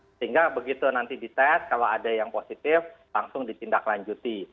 sehingga begitu nanti dites kalau ada yang positif langsung ditindaklanjuti